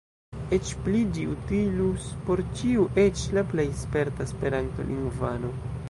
Eĉ pli – ĝi utilus por ĉiu, eĉ la plej sperta Esperanto-lingvano.